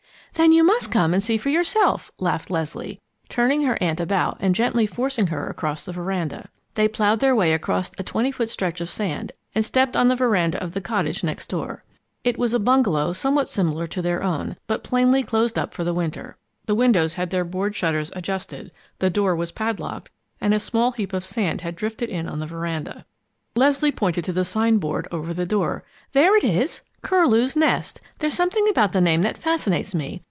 "Then you must come and see for yourself!" laughed Leslie, turning her aunt about and gently forcing her across the veranda. They ploughed their way across a twenty foot stretch of sand and stepped on the veranda of the cottage next door. It was a bungalow somewhat similar to their own, but plainly closed up for the winter. The windows had their board shutters adjusted, the door was padlocked, and a small heap of sand had drifted in on the veranda. Leslie pointed to the sign board over the door. "There it is, 'Curlew's Nest.' There's something about the name that fascinates me.